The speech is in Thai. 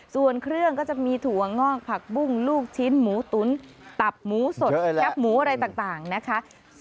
ส่วนเครื่องก็จะมีถั่วงอกผักบุ้งลูกชิ้นหมูตุ๋นตับหมูสดแคบหมูอะไรต่างนะคะ